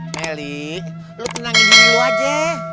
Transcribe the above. meli lu pinangin dulu aja